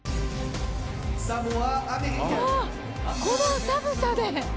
この寒さで！